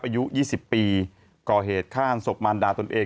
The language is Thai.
อายุ๒๐ปีก่อเหตุข้างศพมารดาตนเอง